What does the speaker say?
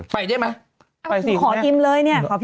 ไปได้ไหมไปสิขออิ่มเลยเนี่ยขอพี่อิ่ม